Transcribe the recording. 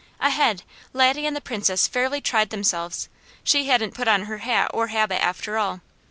Ahead, Laddie and the Princess fairly tried themselves. She hadn't put on her hat or habit after all.